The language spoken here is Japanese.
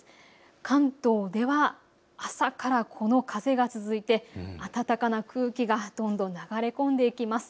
関東では朝からこの風が続いて暖かな空気がどんどん流れ込んできます。